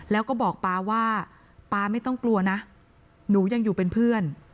แล้วก็บอกป๊าว่าป๊าไม่ต้องกลัวนะหนูยังอยู่เป็นเพื่อน